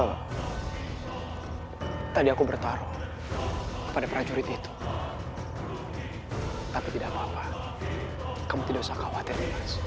tadi aku bertaruh pada prajurit itu tapi tidak apa apa kamu tidak usah khawatir